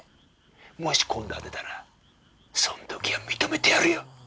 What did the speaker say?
もし今度当てたらその時は認めてやるよ！